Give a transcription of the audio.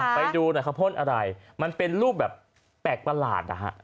ไปดูหน่อยเขาพ่นอะไรมันเป็นรูปแบบแปลกประหลาดนะฮะ